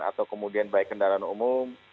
atau kemudian baik kendaraan umum